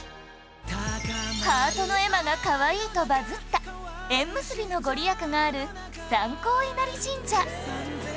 「ハートの絵馬がかわいい」とバズった縁結びの御利益がある三光稲荷神社